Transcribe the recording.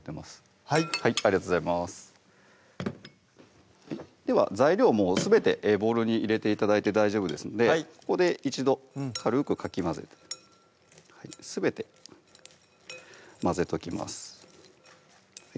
はいありがとうございますでは材料すべてボウルに入れて頂いて大丈夫ですのでここで一度軽くかき混ぜてすべて混ぜときます